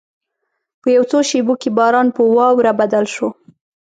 په یو څو شېبو کې باران په واوره بدل شو.